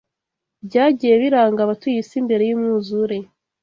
byagiye biranga abatuye isi mbere y’umwuzure,